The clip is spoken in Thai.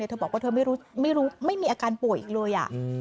เธอบอกว่าเธอไม่รู้ไม่มีอาการป่วยอีกเลย